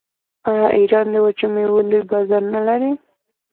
آیا ایران د وچو میوو لوی بازار نلري؟